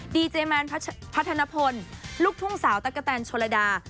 ดีเจแมนพัฒนพลลูกทุ่งสาวตะกะแตนโชลดา